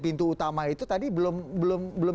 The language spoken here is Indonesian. pintu utama itu tadi belum